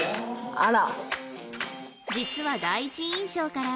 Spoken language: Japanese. あら！